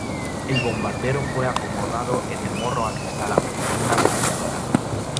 El bombardero fue acomodado en el morro acristalado, con una ametralladora.